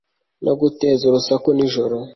no guteza urusaku nijoro